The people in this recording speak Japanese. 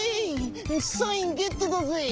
サインゲットだぜ。